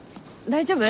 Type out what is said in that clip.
大丈夫？